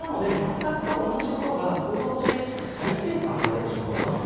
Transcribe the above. なので全く同じことが構造として再生産されてしまう。